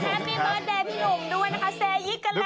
อ๋อไม่หรือ